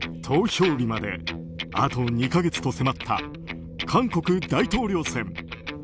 投票日まであと２か月と迫った韓国大統領選。